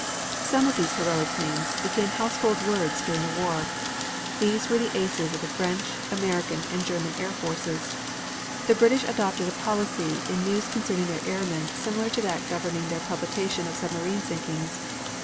Some of these heroic names became household words during the war. These were the aces of the French, American and German air forces. The British adopted a policy in news concerning their airmen similar to that governing their publication of submarine sinkings.